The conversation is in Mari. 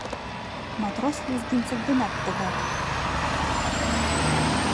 Матрос Лезгинцев денат тыгак.